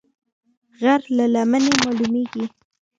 غر له لمنې مالومېږي